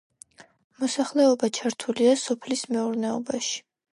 მოსახლეობა ჩართულია სოფლის მეურნეობაში.